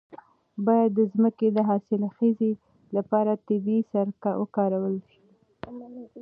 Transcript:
باید د ځمکې د حاصلخیزۍ لپاره طبیعي سره وکارول شي.